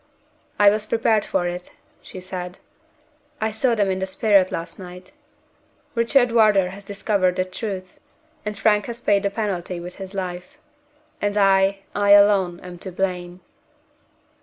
"I was prepared for it," she said. "I saw them in the spirit last night. Richard Wardour has discovered the truth; and Frank has paid the penalty with his life and I, I alone, am to blame."